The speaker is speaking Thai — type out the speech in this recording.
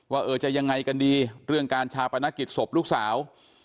ว่าจะยังไงกันดีเรื่องการชาปนกิจศพลูกสาว